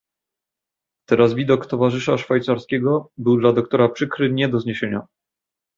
"Teraz widok towarzysza szwajcarskiego był dla doktora przykry nie do zniesienia."